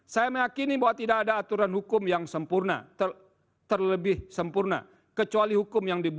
saya meyakini bahwa tidak ada aturan hukum yang seharusnya diaturkan pada aturan hukum pemilu